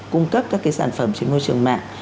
cung cấp các sản phẩm trên môi trường mạng